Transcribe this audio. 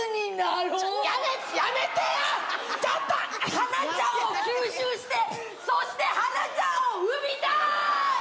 はなちゃんを吸収してそしてはなちゃんを産みたーい！